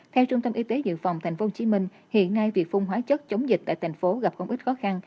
theo trung tâm y tế dự phòng tp hcm hiện nay việc phung hóa chất chống dịch tại tp hcm gặp không ít khó khăn